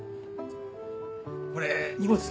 これ荷物。